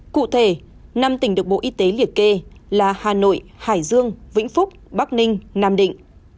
cụ thể năm tỉnh được bộ y tế liệt kê là hà nội hải dương vĩnh phúc bắc ninh nam định